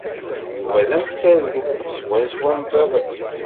Yuba d amsaldu, swaswa am baba-s.